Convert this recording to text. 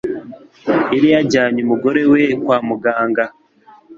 yari yajyanye umugore we kwa muganga